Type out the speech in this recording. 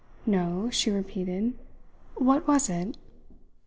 "No," she repeated. "What was it?"